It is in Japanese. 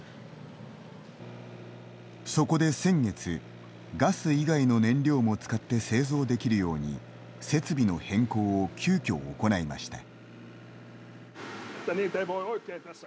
そこで先月ガス以外の燃料も使って製造できるように設備の変更を急きょ行いました。